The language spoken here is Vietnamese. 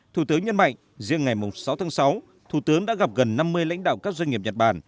thủ tướng nhấn mạnh riêng ngày sáu tháng sáu thủ tướng đã gặp gần năm mươi lãnh đạo các doanh nghiệp nhật bản